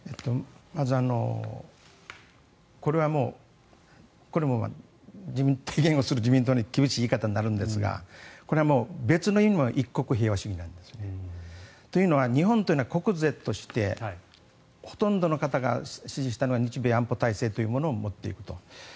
まず、これも提言をする自民党に厳しい言い方になるんですが別の意味の一国平和主義なんですね。というのは日本というのは国是としてほとんどの方々が支持したのは日米安保体制というものを持っていると。